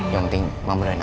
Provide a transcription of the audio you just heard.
yang penting mama beranak